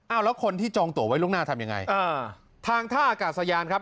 เอาแล้วคนที่จองตัวไว้ล่วงหน้าทำยังไงอ่าทางท่าอากาศยานครับ